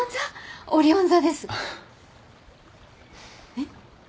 えっ？